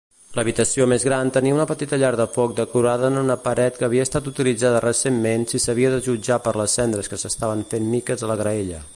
L'habitació més gran tenia una petita llar de foc decorada en una paret que havia estat utilitzada recentment si s'havia de jutjar per les cendres que s'estaven fent miques a la graella.